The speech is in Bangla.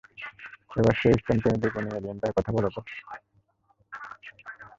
এবার সেই স্টোনপ্রেমী বেগুনি এলিয়েনটার কথা বলো তো।